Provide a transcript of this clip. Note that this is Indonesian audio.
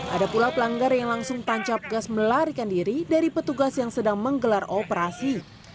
ada pula pelanggar yang langsung tancap gas melarikan diri dari petugas yang sedang menggelar operasi